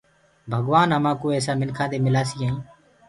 ڀگوآن همآنٚڪو ايسآ مِنکآنٚ دي ملآسي ائيٚنٚ